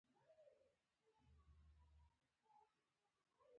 سپین ږیری د خپلو کورو د ساتنې مسؤولیت لري